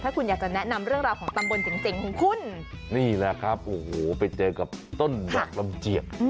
ถ้าคุณอยากจะแนะนำเรื่องราวของตำบลเจ๋งของคุณนี่แหละครับโอ้โหไปเจอกับต้นดอกลำเจียก